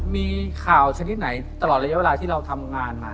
มีข่าวชนิดไหนตลอดระยะเวลาที่เราทำงานมา